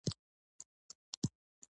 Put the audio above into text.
دا په رښتیني ډول پرانیستي بازارونه نه وو.